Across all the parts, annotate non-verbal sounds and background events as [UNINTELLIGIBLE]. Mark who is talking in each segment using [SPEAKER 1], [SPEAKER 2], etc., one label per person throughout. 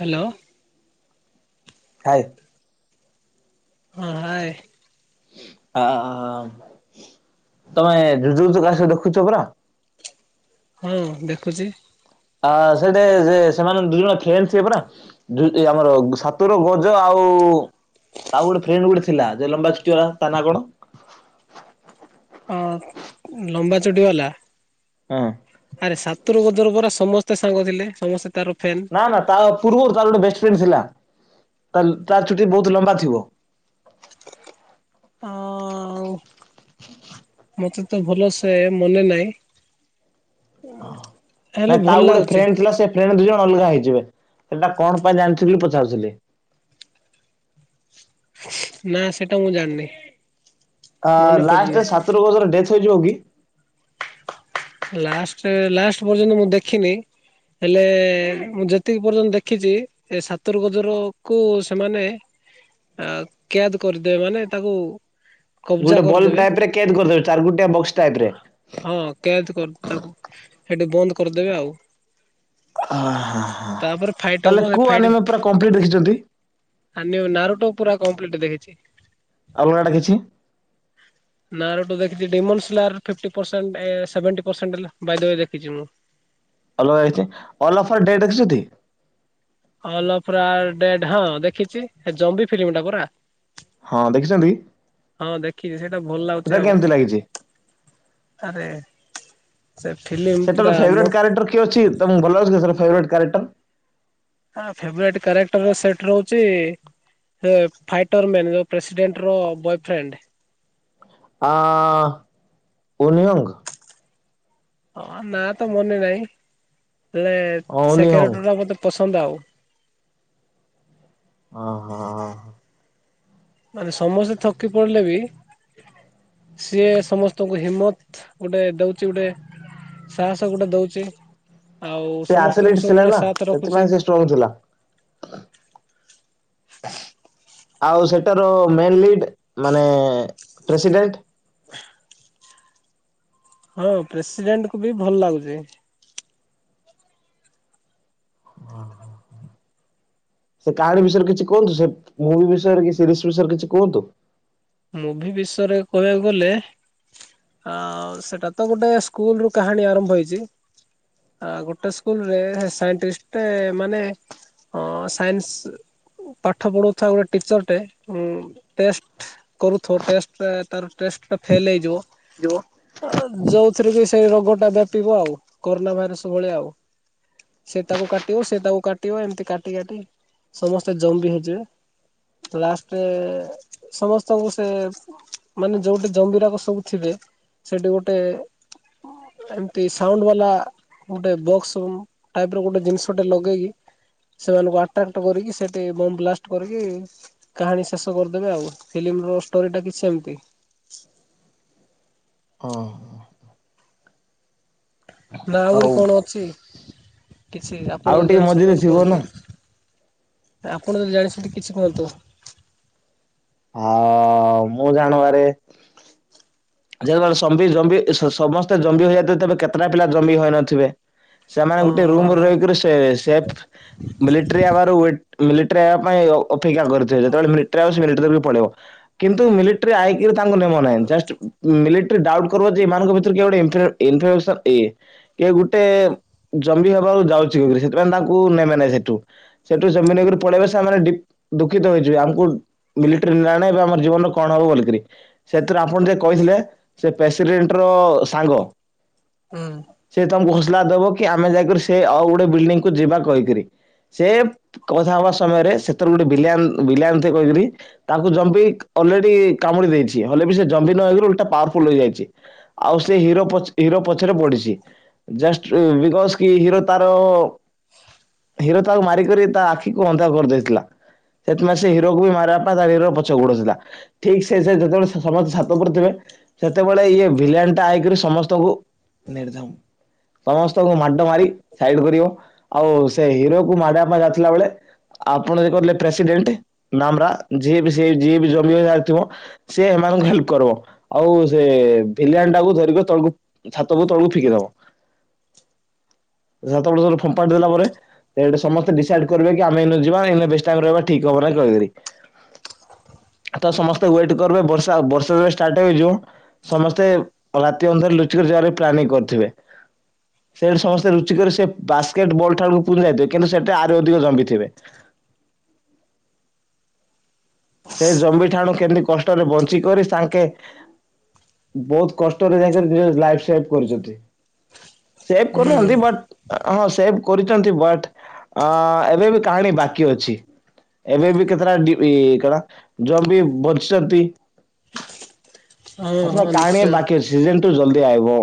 [SPEAKER 1] Hello.
[SPEAKER 2] ଆ
[SPEAKER 1] ହଁ ଆଏ।
[SPEAKER 2] ଆଅଁ [UNINTELLIGIBLE] ଦେଖୁଛ ପୁରା।
[SPEAKER 1] ହଁ ଦେଖୁଛି।
[SPEAKER 2] ଆ ସେଟେ ସେ ସେମାନେ ଦୁ ଜଣ ଖେ ସ ପରା। ଆମର ସାତୁର ଗଜ ଆଉ ତାଉ ଗୋଟେ ଫ୍ରେଣ୍ଡ ଗୋଟ ଥିଲା ଜଲମ୍ବା ଚୁଟି ତା ନା କଣ?
[SPEAKER 1] ହଁ ଲମ୍ବା ଚଟି ବାଲା?
[SPEAKER 2] ହଁ।
[SPEAKER 1] ଆରେ ସାତୁର ବଦର ପରା ସମସ୍ତେ ସାଙ୍ଗ ଥିଲେ ସମସ୍ତେ ତାର ଫେନ୍।
[SPEAKER 2] ନା ନା ତା ପୂର୍ବରୁ ତାର ଗୋଟେ ବେଷ୍ଟ ଫ୍ରେଣ୍ଡ ଥିଲା ତାର ଚୁଟି ବହୁତ ଲମ୍ବା ଥିବ।
[SPEAKER 1] ହଁ ଆଉ। ମତେ ତ ଭଲ ସେ ମନେ ନହିଁ। ହେଲେ
[SPEAKER 2] ନାଇଁ
[SPEAKER 1] ଭଲ
[SPEAKER 2] ତାକୁ ଗୋଟେ
[SPEAKER 1] ଲାଗୁଛି
[SPEAKER 2] ଫ୍ରେଣ୍ଡ ଥିଲା ସେ ଫ୍ରେଣ୍ଡ ଦିଇ ଜଣ ଅଲଗା ହେଇଯିବେ ସେଟା କଣ ପାଇଁ ଜାଣିଥିଲି ପଚାରୁଥିଲି।
[SPEAKER 1] ନା ସେଟା ମୁଁ ଜାଣିନି।
[SPEAKER 2] ଅ
[SPEAKER 1] ମନେ ପଡୁନି
[SPEAKER 2] ଲାଷ୍ଟରେ ସାତରୁ ବର୍ଷର ଡେଥ ହେଇଯିବ କି?
[SPEAKER 1] ଲାଷ୍ଟ ଲାଷ୍ଟ ପର୍ଯ୍ୟନ୍ତ ମୁଁ ଦେଖିନି। ହେଲେ ମୁଁ ଯେତିକି ପର୍ଯ୍ୟନ୍ତ ଦେଖିଛି। ଏ ସାତୁର ଗଜର କୁ ସେମାନେ। ଆ କ୍ୟାଦ କରିଦେବେ ମାନେ ତାକୁ- କବ୍ଜା
[SPEAKER 2] ଗୋଟେ ବଲ୍ବ
[SPEAKER 1] କରିଦେବେ
[SPEAKER 2] ଟାଇପ ରେ କେ କରିଦବ ଚାର ଗୋଟିଆ ବକ୍ସ ଟାଇପ ରେ
[SPEAKER 1] ହଁ କେ୍ୟା କରିଦ ତାକୁ ସେଠି ବନ୍ଦ କରିଦେବେ ଆଉ।
[SPEAKER 2] ଅ ହଁ ହ
[SPEAKER 1] ତାପରେ ଫାଇଟ୍ ହବ
[SPEAKER 2] ତାହେଲେ
[SPEAKER 1] ସେ
[SPEAKER 2] କୁ ଆନମେ ପୁରା କମ୍ପ୍ଲିଟ୍ ଦେଖିଛନ୍ତି।
[SPEAKER 1] ଆ ନାରୁ ଟ ପୁରା କମ୍ପ୍ଲିଟ ଦେଖିଛି।
[SPEAKER 2] ଅଲଗାଟା କିଛି
[SPEAKER 1] ହଁ। ନା ରୋୁ ଦେଖିଛି ଡିମ ଫି୍ଟିସେଣ୍ଟ ସେଭେଟି ପରସେଣ୍ଟ ବାଦ ଦେଖିଛି ମୁଁ।
[SPEAKER 2] ଅଲାଇଛି ଅଲ ଅଫର୍ ଡେଟ୍ ଦେଖିି।
[SPEAKER 1] ଅଲଡ ହଁ ଦେଖିଛି ଜବି ଫିଲ୍ମ ଟା ପୁରରା?
[SPEAKER 2] ହଁ ଦେଖିଛନ୍ତି
[SPEAKER 1] ହଁ ଦେଖିଛି ସେଇଟା ଭଲ
[SPEAKER 2] ସେଟା
[SPEAKER 1] ଲାଗୁଛି ଆଉ।
[SPEAKER 2] କେମିତି ଲାଗିଛି?
[SPEAKER 1] ଆରେ। ସେ ଠିଲି।
[SPEAKER 2] ସେଟାର ଫେଭରେଟ କ୍ୟାରେକ୍ଟର କି ଅଛି ତମକୁ ଭଲ ଅଛି ସେ ଫେରରେଟ କାରେକ୍ଟର।
[SPEAKER 1] ହ ଫେବରଟ କ୍ୟାରେକ୍ଟର ସେଟ ରହୁଛି ସେ ଫାଇଟର ମ୍ୟାନ୍ ଯୋଉ ପ୍ରେସିଡେଣ୍ଟ ର ବୟଫ୍ରେଣ୍ଡ।
[SPEAKER 2] ଆ ଉୟଙ୍ଗ।
[SPEAKER 1] ହଁ ନା ତ ମନେ ନାହିଁ ହେଲେ
[SPEAKER 2] ହଁ ଓନିଅଙ୍ଗ
[SPEAKER 1] ସେକରଟ ଟା ମତେ ପସନ୍ଦ ଆଉ।
[SPEAKER 2] ଓ ହୋ ହ।
[SPEAKER 1] ମାନେ ସମସ୍ତେ ଥକି ପଡିଲେ ବି ସିଏ ସମସ୍ତଙ୍କୁ ହିମତ ଗୋଟେ ଦଉଛି ଗୋଟେ। ସାହସ ଗୋଟେ ଦଉଛି ଆଉ
[SPEAKER 2] ସେ ଆଥଲେଟ୍
[SPEAKER 1] ସମସ୍ତଙ୍କୁ
[SPEAKER 2] ଥିଲା
[SPEAKER 1] ସବୁବେଳେ
[SPEAKER 2] ନା
[SPEAKER 1] ସାଥ
[SPEAKER 2] ସେଥିପାଇଁ
[SPEAKER 1] ରଖୁଛି।
[SPEAKER 2] ସେ ଷ୍ଟ୍ରଙ୍ଗ ଥିଲା। ଆଉ ସେଟାର ମେନ୍ ଲିଡ ମାନେ ପ୍ରେସିଡେଣ୍ଟ।
[SPEAKER 1] ହଁ ପ୍ରେସିଡେଣ୍ଟ କୁ ବି ଭଲ ଲାଗୁଛି।
[SPEAKER 2] ହୁଁ। ସେ କାହାଣୀ ବିଷୟରେ କିଛି କୁହନ୍ତୁ ସେ ମୁଭି ବିଷୟରେ କି ସିରିଜ ବିଷୟରେ କିଛି କୁହନ୍ତୁ।
[SPEAKER 1] ମୁଭି ବିଷୟରେ କହିବାକୁ ଗଲେ ଆ ସେଟା ତ ଗୋଟେ ସ୍କୁଲ ରୁ କାହାଣୀ ଆରମ୍ଭ ହେଇଛି। ଆ ଗୋଟେ ସ୍କୁଲରେ ସାଇଣ୍ ମାନେ ହଁ ସାଇନ୍ସ ପାଠ ପଢଉଥିବା ଗୋଟେ ଟିଚର ଟେ ଟେଷ୍ଟ କରୁଥ ଟ ତ ଟ ଫେଲ ହେଇଯିବ।
[SPEAKER 2] ହେଲୋ।
[SPEAKER 1] ଯୋଉଥିରେ କି ସେଇ ରୋଗ ଟା ବ୍ୟାପିବ ଆଉ କୋରୋନା ଭାଇରସ ଭଳିଆ ଆଉ। ସେ ତାକୁ କାଟିବ ସେ ତାକୁ କାଟିବ ଏମିତି କାଟି କାଟି ସମସ୍ତେ ଜମ୍ବିି ହେଇଯିବବେ। ଲାଷ୍ଟରେ ସମସ୍ତ ସବୁ ସେ ମାନେ ଯୋଉଠି ଜମ୍ଭବିସବୁ ଥିବେ ସେଠି ଗୋଟେ ଏମତି ସାଉଣ୍ଡ ବାଲା ଗୋଟେ ବକ୍ସ ଟାଇପ ର ଗୋଟେ ଜିନିଷ ଟେ ଲଗେଇକି ସେମାନଙ୍କୁ ଆଟାକ୍ କରିକି ସେଠି ବମ୍ ବ୍ଲାଷ୍ଟ କରିକି କାହାଣୀ ଶେଷ କରିଦେବେ ଆଉ। ଫିଲ୍ମର ଷ୍ଟୋରିଟା କିଛି ସେମିତି।
[SPEAKER 2] ହଁ।
[SPEAKER 1] ମାହୁରି
[SPEAKER 2] ଆଉ
[SPEAKER 1] କଣ ଅଛି। କିଛି ଆପଣ
[SPEAKER 2] ଆଉ
[SPEAKER 1] ଯଦି
[SPEAKER 2] ଟିକେ
[SPEAKER 1] ଜାଣିଛନ୍ତି
[SPEAKER 2] ମଝିରେ
[SPEAKER 1] ବୋଲି
[SPEAKER 2] ଥିବ ନା
[SPEAKER 1] କୁହନ୍ତି ଆପଣ ଯଦି ଜାଣିଛନ୍ତିଛନ୍ତି କିଛି କୁହନ୍ତୁ।
[SPEAKER 2] ଆ ମୁଁ ଜାଣିବାରେରେ। ସମସ୍ତେ ଜମ୍ବି ହୋଇଇଯାଇଥିବେ ତେବେ କେତେଟା ପିଲା ଜମ୍ବି ହୋଇଇ ନଥିବେ। ସେମାନେ
[SPEAKER 1] ହଁ
[SPEAKER 2] ଗୋଟେ ରୁମ
[SPEAKER 1] ହଁ
[SPEAKER 2] ରୁ
[SPEAKER 1] ହଁ
[SPEAKER 2] ରହିକରି ସେ ମିଲିଟାରୀ ହେବାର ମିଲିଟାରି ହେବା ପାଇଁ [UNINTELLIGIBLE] ଅପେକ୍ଷା କରିଥିବ ଯେତେବେଳେି ପଳେଇିବ କିନ୍ତୁ [UNINTELLIGIBLE] ଆଇକରି ତାଙ୍କୁ ନେମ ନାହିଁ [UNINTELLIGIBLE] ମିଲେକ୍ଟିରି ଡାଉଟ୍ କରିବ ଯେ ଏମାନଙ୍କ ଭିତୁରୁ କିଏ ଗୋଟିଏ ଇମ୍ [UNINTELLIGIBLE] କିଏ ଗୋଟେଏ ଜମି ହେବାକୁ ଯାଉଚି ସେଥିପାଇଁ ତାଙ୍କୁ ନେବେ ନାଇଁ ସେଏଠୁ। ସେଠୁ ସେମାନେ ଆଗର୍ ପଳେଇବେ ସେମାନେ ଡିପ ଦୁଃଖିତ ହେଇଯିବେ ଆମକୁ ମିଲେକଟିରୀ ନାଣେ ଆମର ଜୀବନରେ କଣ ହବ ବଲିକିରି ସେଥିରୁ ଆପଣ ଯେ କହିଥିଲେ ସେଏ ପ୍ରେସିଡେଣ୍ଟ ର ସାଙ୍ଗ।
[SPEAKER 1] ହୁଁ।
[SPEAKER 2] ସେ ତମଙ୍କୁ ହୋସଲା ଦବ କି ଆମେ ଯାଇକିରି ସେ ଆଉ ଗୋଟେ ବିଲଡିଙ୍ଗକୁୁ ଯିବା କହିକିରି ସେ କଥା ହବା ସମୟରେ ସେଥିରୁ ଗୋଟେ ବିରଆନ୍ ଭିଲିଆନ କହିକରି ତାଙ୍କୁ ଜମ୍ଭିକ୍ ଅଲରେଡି କାମୁଡି ଦେଇଛି ହେଲେ ବି ସେ ଜମ୍ବିର ଆଗରୁ ଓଲଟା ପାୱାରଫୁଲ ହେଇଯାଇଛି। ଆଉ ସେ ହିରୋ ପଛ୍ ହିରୋ ପଛରେ ପଡିିଛି। ଜଷ୍ଟ୍ ରୁ ବିକସ୍ କି ହିରୋ ତାର ହିରୋ ତାକୁ ମାରିକରି ତା ଆଖିକୁ ଅନ୍ଧ କରିଦେଇଥିଲା। ସେତ୍ନାସି ହିରୋକୁ ମାର ଆତ୍ମା ତାଆ ହିରୋର ପଛ ଗୋଡେଉଥିଲା ଠିକ୍ ସେ ଯେତେବେଳେ ସମସ୍ତ୍ ଛାତ୍ର ତ କରୁଥିବେ ସେତେବେଳେ ଇଏ ଭିଲିଆନ ଟା ଆଇକିରି ସମସ୍ତକୁ ନିରଧମ୍ ସମସ୍ତକୁ ମାଡ଼ ମାରି ସାଇଡ କରିବ ଆଉ ସେ ହିରୋକୁ ମାଡା ମାରା ଥିଲାବେଳେ ଆପଣ ଇଏ କଲେ ପ୍ରେସିଡେଣ୍ଟ ନାମ୍ର ଯିଏ ବି ସେ ଯିଏ ବି ଜମିଥିବ। ସେଏ ହେମାନଙ୍କୁ ଖଲପ୍ କର ଆଉ ସେ ଭିଲିଆନ ଟାକୁ ଧରିକରି ତଳକୁ ଛାତକୁ ତଳକୁ ଫିକି ଦବ।
[SPEAKER 1] [INAUDIBLE]
[SPEAKER 2] ସାତ ଉପୁଳୁ ଫେପାଡି ଦେଲା ପରେ ସେଇ ସମସ୍ତେ ଡିସାଇଟ କରିବେ କି ଆମେ ଇନୁ ଯିବା ଇନୁ ବେସ ଟାଇମ୍ ରହିବା ଠିକ୍ [UNINTELLIGIBLE] ତ ସମସ୍ତେ ୱେଟ୍ କରିବେ ବର୍ଷା ବରର୍ଷ୍ [UNINTELLIGIBLE] ଜିବ ସମସ୍ତେ ରାତି ଅନ୍ଧାରେ ଲୁଚିକି ଯିବାର ପ୍ଲାନିଂ କରିଥିବେ। ସେଇଠୁ ସମସ୍ତେ ଲୁଚି କରି ସେ ବାସ୍କେଟ୍ ବଲ୍ ଠାରୁ ଉପୁ୍ରୁ ଯାଇଥିବେ କିନ୍ତୁ ସେଟା ଆୟର୍ ବେଦି ଦମ୍ବିଥିବେ। ସେ ଜମ୍ବି ଠାଣୁ କେମିତି କଷ୍ଟରେ ବଞ୍ଚି କରିରି ସାଙ୍କେ ବହୁତ କଷ୍ଟରେ ଯାଇଁ କରି ନିଯ ଲାଇଭ୍ ସେଭ୍ କରିଛନ୍ତି ସେଭ୍ କରିନାହାନ୍ତି
[SPEAKER 1] ହୁଁ
[SPEAKER 2] ବଟ୍ ହଁ ସେବେ କରିଛନ୍ତି ବଟ୍ ଅ ଏବେ ବି କାହାଣୀ ବାକି ଅଛି। ଏବେ ବି କେତେଟା ଡି ଇଏ କଣ ଯୋଉ ଜମ୍ବି ବଞ୍ଚିଛନ୍ତି
[SPEAKER 1] ହଁ
[SPEAKER 2] ଆପନା
[SPEAKER 1] ହଁ
[SPEAKER 2] କାହାଣୀ
[SPEAKER 1] ନିଶ୍ଚୟ
[SPEAKER 2] ବାକି ଅଛି ଜେନନ୍ତୁ ଜଲଦି ଆଇବ।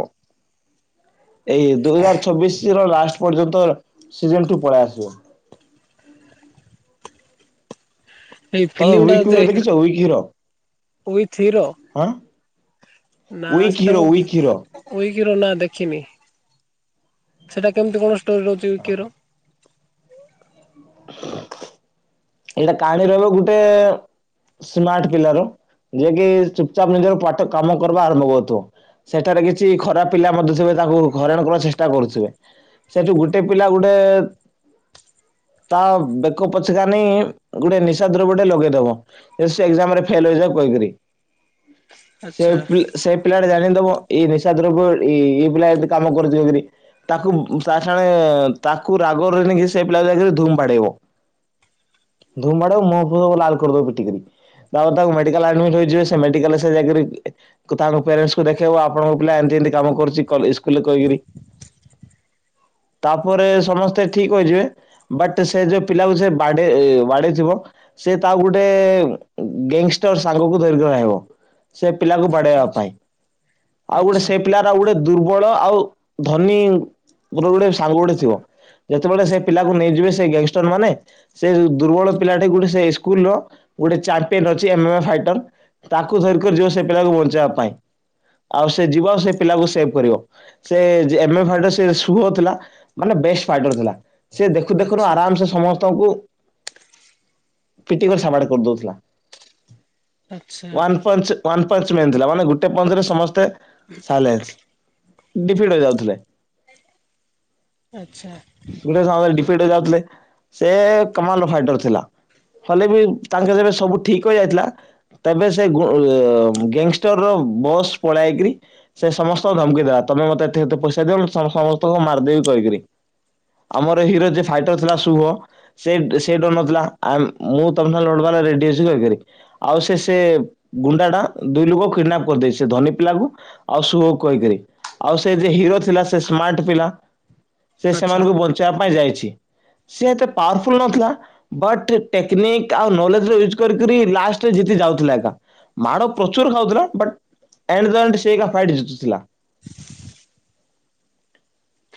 [SPEAKER 2] ଏଇ ଦୁଇ ହଜାର ଛବିଶ ର ଲାଷ୍ଟ ପର୍ଯ୍ୟନ୍ତ ସିଜନ ଟୁ ପଳେଇ ଆସିବ।
[SPEAKER 1] ଏଇ
[SPEAKER 2] ତମେ
[SPEAKER 1] ଫିଲ୍ମ ଟା
[SPEAKER 2] ଉୱକ୍
[SPEAKER 1] ଦେ
[SPEAKER 2] ହିର ଦେଖିଛ ଉୱକ୍ କଣ।
[SPEAKER 1] ଉଇଥି hero
[SPEAKER 2] weak hero weak hero.
[SPEAKER 1] Weak hero ନାଁ ଦେଖିନି ସେଟା କେମତି କଣ ଷ୍ଟୋରି ରହୁଛି ଉୱକିର
[SPEAKER 2] ଏଟା କାଣୀ ରହିବ ଗୋଟେ ସ୍ମାର୍ଟ ପିଲ ର ଯିଏ କି ଚୁପ୍ଚାପ୍ ନିଜର ପାଠ କାମ କର୍ବା ଆରମ୍ଭ କରିଥିବା। ସେଠାରେ କିଛି ଖରାପ ପିଲା ମଧ୍ୟ ଥିବେ ତାକୁ ହେଇରାଣ କରିବାକୁ ଚେଷ୍ଟା କରୁଥିବେ। ସେଠୁ ଗୋଟେ ପିଲା ଗୋଟେ ତା ବେକ ପଛେ କାନି ଗୋଟେ ନିଶା ଦ୍ରବ୍ୟଟେ ଲଗେଇଦବା ଓସେ ଏକଯାମ୍ ରେ ଫେଲ୍ ହେଇଯାଏ କ [UNINTELLIGIBLE] [UNINTELLIGIBLE]
[SPEAKER 1] ଆଚ୍ଛା
[SPEAKER 2] ସେଲପଲ୍ ସେ ପିଲା ଟେ ଜାଣିିଥବ ଏଇ ନିଶାଦ୍ରବ ଇ ଇପିଲା ଏଠି କାମ କରୁଥିବକିନାହିଁ। ତାକୁ ସାଙ୍ଗେ ସାଙ୍ଗ୍ ତାକୁ ରାଗରେ ନେଇକି ସେ ପିଲାକୁ ଧୁମ୍ ବାଡେଇବ। ଧୁମ ବାଡେବ ମହଁ ଫୂହଁ ଲାଲ୍ କରିଦବ ପିଟି କିରି। ତାପ ତାକୁ ମେଡିକାଲ୍ ଆଡ୍ମିଟ୍ ହେଇଯିବେ ସେ ମେଡିକାଲ୍ ସେ ଯାଇଁକରି ତାଙ୍କ ପ୍ୟାରେନ୍ସ୍ କୁ ଦେଖେଇବ ଆପଣଙ୍କ ପିଲା ଏମ୍ତି ଏମ୍ତି କାମ କରୁଚି କଲେ ସ୍କୁଲେ କହିକରି।
[SPEAKER 1] [INAUDIBLE]
[SPEAKER 2] ତାପରେ ସମସ୍ତେ ଠିକ ହେଇଯିବେ ବଟ୍ ସେ ଯୋଉ ପିଲାକୁ ସେ ବାଡ୍ ଏଇ ବାଡେଇ ଥିବ। ସେ ତା ଗୁଟେ ଗେଙ୍ଗ୍ ଷ୍ଟର୍ ସାଙ୍ଗକୁ ଧରିକଆଇବ। ସେ ପିଲାକୁ
[SPEAKER 1] ଆଚ୍ଛା
[SPEAKER 2] ବାଡେଇବା ପାଇଁ ଆଉ ଗୋଟେ
[SPEAKER 1] ଆଚ୍ଛା
[SPEAKER 2] ସେ ପିଲା ରା ଗୋଟେ ଦୁର୍ବଳ ଆଉ ଧନୀ ଗୋର ଗୋଟେ ସାଙ୍ଗ ଗୋଟେ ଥିବ। ଯେତେବେଳେ ସେ ପିଲାକୁ ନେଇଯିବେ ସେ ଗ୍ୟାଙ୍ଗ୍ ଷ୍ଟାର୍ ମାନେ ସେ ଦୁର୍ବଳ ପିଲାଟେ ଗୋଟେ ସେ ସ୍କୁଲ ଗୋଟେ ଚାରମ୍ପିୟନ ଅଛି ଏମେମା ଫାଇଟନ। ତାକୁ ଧରିକରି ଯିବ ସେ ପିଲାକୁ ବଞ୍ଚେଇବା ପାଇଁ ଆଉ ସେ ଯିବା ଆଉ ସେ ପିଲାକୁ ସେଭ କରିବ। ସେ ଯେ ଏମେ ଫାଇଟର ସେ ସୁଭୌଥିଲା ମାନେ ବେଷ୍ଟ ଫାଇଟର ଥିଲା। ସେ ଦେଖୁ ଦେଖୁନୁ
[SPEAKER 1] ଆଚ୍ଛା
[SPEAKER 2] ଆରାମ୍ସେ ସମସ୍ତଙ୍କୁ ପିଟିିକରି ସାବାଡ୍ କର୍ଦଉଥିଲା
[SPEAKER 1] ଆଚ୍ଛା
[SPEAKER 2] one punch one punch man ଥିଲା ମାନେ ଗୋଟେ ପଞ୍ଚ୍ ରେ ସମସ୍ତେ ସାଲେନ୍ସ୍। ଡିଫିଟ୍ ହେ ଯାଉଥିଲେ।
[SPEAKER 1] ଆଛା।
[SPEAKER 2] ଗୋଟିଏ ସାଙ୍ଗ ରେ ଡିଫେଟ୍ ଯାଉଥିଲେ ସେ କମାଲ୍ ର ଫାଇଟର୍ ଥିଲା। ହେଲେ ବି ତାଙ୍କ ଯେବେ ସବୁ ଠିକ ହେଯାଇଥିଲା ତେବେ ସେ ଗୋ ଗ୍ୟାଙ୍ଗ୍ ଷ୍ଟର୍ ର ବସ୍ ପଳାଇକ୍ରି। ସେ ସମସ୍ତଙ୍କୁ ଧମ୍କି ଦେଲା ତମେ ମତେ ଏତେତେ ପଇସା ଦିଅ ମୁଁ ତମ ସମସ୍ତଙ୍କୁ ମାର୍ଦେବି କହିକରି। ଆମର ହିରୋ ଯେ ଫାଇଟର ଥିଲା ସୁଭ। ସେ ସେ ଡ ନଥିଲା ଆମ୍ ମୁଁ ତମେ ସାଙ୍ଗ [UNINTELLIGIBLE] ଆଉ ସେ ସେ ଗୁଣ୍ଡା ଟା ଦୁଇ ଲୋକ କିଡ୍ନାପ କରିଦେଇ ସେ ଧନୀ ପିଲାକୁ। ଆଉ ସୁଭ କହିକିରି ଆଉ ସେ ଯ ହିରୋ ଥିଲା ସେ ସ୍ମାର୍ଟ ପିଲା। ସେ
[SPEAKER 1] ଆଚ୍ଛା
[SPEAKER 2] ସେମାନଙ୍କୁ ବଞ୍ଚିବା ପାଇଁ ଯାଇଛି ସିଏ ଏତେ ପାୱାରଫୁଲ୍ ନଥିଲା। ବଟ୍ ଟେକ୍ନିକ୍ ଆଉ ନଲେଜ୍ ର ୟୁଯ୍ କରି କରି ଲାଷ୍ଟ୍ ରେ ଜିତି ଯାଉଥିଲା ଏକା। ମାଡ ପ୍ରଚୁର ଖାଉଥିଲା ବଟ୍ ଏଣ୍ଡ ଦ ଏଣ୍ଡ୍ ସେ ଏକା ଫାଇଟ୍ ଯିତୁଥିଲା।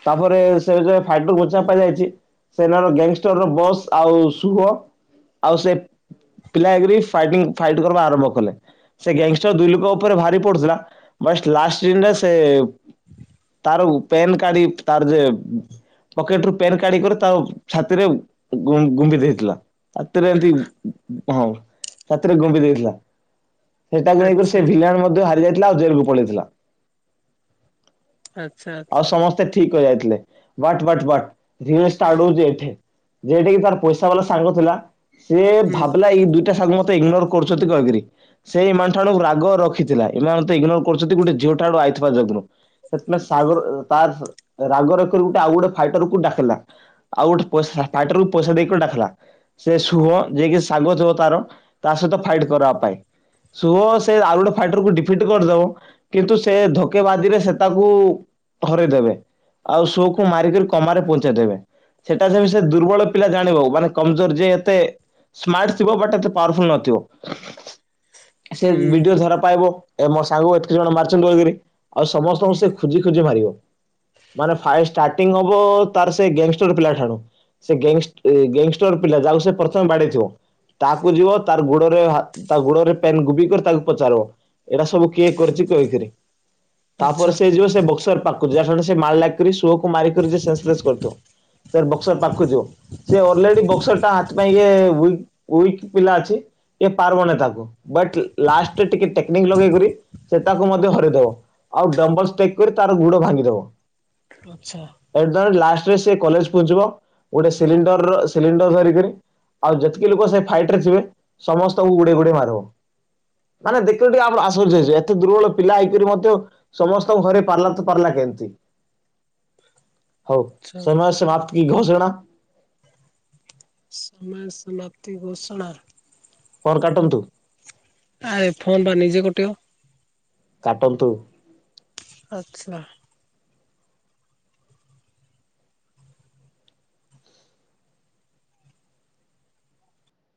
[SPEAKER 2] ତାପରେ ସେ ଯୋ ଫାଇଟୁ ମୁଚା ପାଇ ଯାଇଚି। ସେନାର ଗ୍ୟାଙ୍ଗ୍ ଷ୍ଟର୍ ର ବସ୍ ଆଉ ସୁହ ଆଉ ସେ ପିଲା ଏଗ୍ରି ଫାଇଟିଂ ଫାଇଟ୍ କରିବା ଆରମ୍ଭ କଲେ। ସେ ଗ୍ୟାଙ୍ଗଷ୍ଟର ଦୁଇ ଲୋକ ଉପରେ ଭାରି ପଡୁଥିଲା ବାସ୍ଟ ଲାଷ୍ଟ ସିଜିନ୍ ରେ ସେ ତାର ଉ ପେନ୍ କାଡ଼ି ତାର୍ ଯେ ପକେଟ ରୁ ପେନ୍ କାଢିକରି ତା ଛାତିରେ ଗୁ ଗୁମ୍ବି ଦେଇଥିଲା। ଚାତିରେ ଏମ୍ତି ହୁଁ ଛାତିରେ ଗୁମ୍ୱି ଦେଇଥିଲା। ସେଟାକୁ ନେଇକରି ସେ
[SPEAKER 1] ଆଚ୍ଛା
[SPEAKER 2] ଭିଲିଆନ୍ ମଧ୍ୟ ହାରି ଯାଇଥିଲା ଆଉ ଜେଲକୁୁ ପଳେଇଥିଲା। ଆଉ
[SPEAKER 1] ଆଚ୍ଛା
[SPEAKER 2] ସମସ୍ତେ ଠିକ ହେଇ ଯାଇଥିଲେ, ବଟ୍ ବଟ୍ ବଟ୍ ଧୀର ଷ୍ଟାର୍ଟ ହଉଚି ଏଠି। ଯେଟି କି ତାର ପଇସା ବାଲା ସାଙ୍ଗ ଥିଲା ସିଏ
[SPEAKER 1] ହୁଁ
[SPEAKER 2] ଭାବିଲା ଏଇ ଦୁଇଟା ସାଙ୍ଗ ମତେ ଇଗ୍ନୋର୍ କରୁଛନ୍ତି କହିକରି। ସେଇ ଏମାନ ଠାଣୁ ରାଗ ରଖିଥିଲା ଏମାନେ ତ ଇଗନୋର କରୁଛନ୍ତି ଗୋଟେ ଝିଅ ଟା ଆଡୁ ଆଇଥିବା ଯୋଗୁରୁ। ସେଥିମା ସାଗର ତାସ୍ ରାଗ ରଖି କରି ଗୋଟେ ଆଉ ଗୋଟେ ଫାଇଟରକୁ ଡାକ୍ଲା ଆଉ ଗୋଟେ ଫାଇଟର କୁ ପଇସା ଦେଇକରି ଡ଼ାକଲା। ସେ ସୁହ ଯିଏ କିି ସାଙ୍ଗ ଥିବ ତାର ତା ସହିତ ଫାଇଟ୍ କରିବା ପାଇଁ। ଶୁହ ସେ ଆଉ ଗୋଟେ ଫାଇଟର କୁ ଡିଫିଟ୍ କରିଦବ। କିନ୍ତୁ ସେ ଧୋକେ ବାଜିରେ ସେ ତାକୁ ହରେଇ ଦେବେ। ଆଉ ସୋକୁ ମାରିକରି କମାରେ ପହଞ୍ଚେଇ ଦେବେ। ସେଟା ସେ ଦୁର୍ବଳ ପିଲା ଜାଣିବ ମାନେ କମଜୋର ଯିଏ ଏତେ। ସ୍ମାର୍ଟ ଥିବ ବଟ୍ ଏତେ ପାୱାରଫୁଲ ନଥିବ। ସେ
[SPEAKER 1] ହୁଁ
[SPEAKER 2] ବିଡିଓ ଧରା ପାଇବ ଏ ମୋ ସାଙ୍ଗ ଏତିକି ଜଣ ମାରିଛନ୍ତି କହିକରି, ଆଉ ସମସ୍ତଙ୍କୁ ସେ ଖୋଜି ଖୋଜି ମାରିବ, ମାନେ ଫାଇଟ୍ ଷ୍ଟାର୍ଟିଂ ହବ ତାର ସେ ଗ୍ୟାଙ୍ଗଷ୍ଟାର ପିଲା ଠାରୁ, ସେ ଗ୍ୟାଙ୍ଗଷ୍ଟେ ଗ୍ୟାଙ୍ଗଷ୍ଟର ପିଲା ଯାହାକୁ ସେ ପ୍ରଥମେ ବାଡେଇ ଥିବ, ତାକୁ ଯିବ ତାର ଗୋଡରେ ହାତର ତା ଗୋଡରେ ପେନ୍ ଗୁବି କରି ତାକୁ ପଚାରିବ, ଏଇଟା ସବୁ କିଏ କରିଛି କହିକରି ତାପରେ
[SPEAKER 1] ଆଚ୍ଛା
[SPEAKER 2] ସେ ସିଏ ଯିବ ସେ ବକ୍ସର ପାଖକୁ ଯାହା ଠାଣୁରେ ସେ ଠିଏ ମାଲ୍ ଲାଗିକରି ସୁଅ କୁ ମାରିକରି ଯେ ସେନ୍ସଲେସ୍ କରିଥିବ ସେ ବକ୍ସର ପାଖକୁ ଯିବ, ସେ ଅଲରେଡି ବକ୍ସର ଟା ହାତି ପାଇଁ ଇଏ ୱିକ୍-ୱିକ୍ ପିଲା ଅଛି, ଇଏ ପାରିବନାଇ ତାକୁ ବଟ୍ ଲା ଲାଷ୍ଟରେ ଟିକେ ଟେକ୍ନିକ୍ ଲଗେଇକରି ସେ ତାକୁ ମଧ୍ୟ ହରେଇଦବ, ଆଉ ଡମ୍ବଲସ୍ଟେକ୍ କରି ତାର ଗୋଡ଼ ଭାଙ୍ଗିଦବ,
[SPEAKER 1] ଆଚ୍ଛା,
[SPEAKER 2] ଏଗଦମ୍ ଲାଷ୍ଟରେ ସେ କଲେଜ ପହଞ୍ଚିବ ଗୋଟେ ସିଲିଣ୍ଡର-ସିଲିଣ୍ଡର ଧରିକରି, ଆଉ ଯେତିକି ଲୋକ ସେ ଫାଇଟ୍ ରେ ଥିବେ ସମସ୍ତଙ୍କୁ ଗୁଡ଼େଇ- ଗୁଡ଼େଇ ମାରିବ, ମାନେ ଦେଖିଲ ଟିକେ ଆମର ଆସୁଛି ଯେହେତୁ ଦୁର୍ବଳ ପିଲା ହେଇକରି ମଧ୍ୟ, ସମସ୍ତଙ୍କୁ ଘରେ ପାରିଲା ତ ପାରିଲା କେମିତି, ହଉ
[SPEAKER 1] ଆଚ୍ଛା
[SPEAKER 2] ସମୟ ସମାପ୍ତି କି ଘୋଷଣା,
[SPEAKER 1] ସମୟ ସମାପ୍ତି ଘୋଷଣା,
[SPEAKER 2] କଲ୍ କାଟନ୍ତୁ,
[SPEAKER 1] ଆରେ ଫୋନ୍ ବା ନିଜେ କଟିବ,
[SPEAKER 2] କାଟନ୍ତୁ,
[SPEAKER 1] ଆଚ୍ଛା,